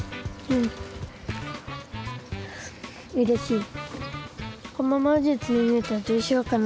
うれしい。